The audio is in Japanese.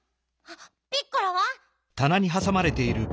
ピッコラは？